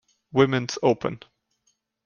Women's Open.